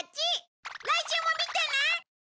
来週も見てね！